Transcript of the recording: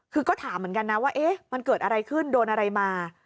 คือก็ถามเหมือนกันนะว่าเอ๊ะมันเกิดอะไรขึ้นโดนอะไรมา